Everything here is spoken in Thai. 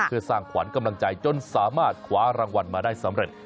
เพื่อสร้างขวัญกำลังใจจนสามารถคว้ารางวัลมาได้สำเร็จ